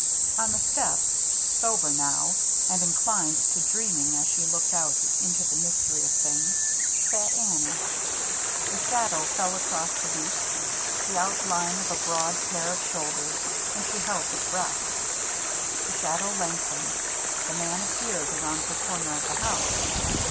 On the steps, sober now, and inclined to dreaming as she looked out into the mystery of things, sat Annie. A shadow fell across the beach, — the outline of a broad pair of shoulders, — and she held her breath. The shadow lengthened ; the man appeared around the corner of the house.